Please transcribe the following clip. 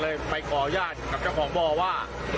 ตอนนี้ก็ยาวประมาณ๔๐เมตร